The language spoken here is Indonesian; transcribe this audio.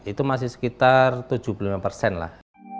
itu masih sekitar tujuh puluh lima persen lah